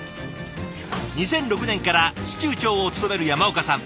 ２００６年から司厨長を務める山岡さん。